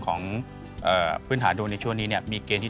อ๋อต้องคิดอย่างนี้ต้องคิดอย่างนี้